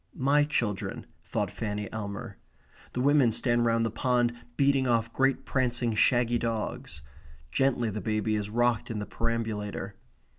My children, thought Fanny Elmer. The women stand round the pond, beating off great prancing shaggy dogs. Gently the baby is rocked in the perambulator.